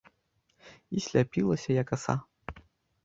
І сляпілася, як аса.